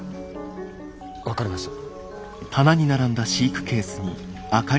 分かりました！